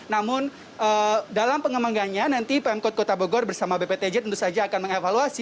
namun dalam pengembangannya nanti pemkot kota bogor bersama bptj tentu saja akan mengevaluasi